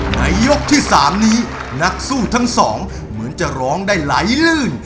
ในยกที่๓นี้นักสู้ทั้งสองเหมือนจะร้องได้ไหลลื่น